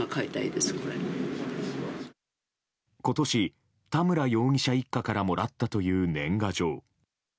今年、田村容疑者一家からもらったという年賀状。